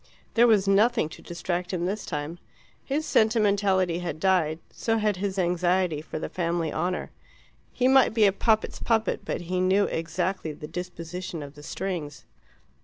There was nothing to distract him this time; his sentimentality had died, so had his anxiety for the family honour. He might be a puppet's puppet, but he knew exactly the disposition of the strings.